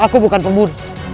aku bukan pembunuh